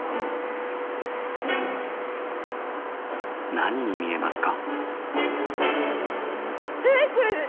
何に見えますか？